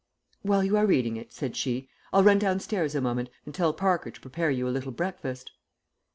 "While you are reading it," said she, "I'll run downstairs a moment, and tell Parker to prepare you a little breakfast."